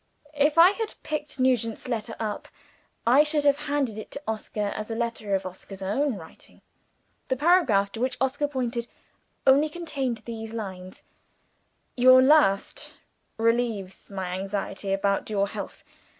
If I had picked Nugent's letter up, I should have handed it to Oscar as a letter of Oscar's own writing. The paragraph to which he pointed, only contained these lines: "Your last relieves my anxiety about your health.